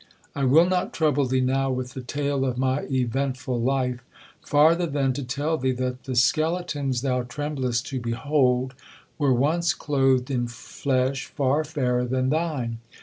I will not trouble thee now with the tale of my eventful life, farther than to tell thee, that the skeletons thou tremblest to behold, were once clothed in flesh far fairer than thine.